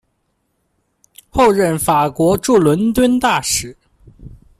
后任法国驻伦敦大使。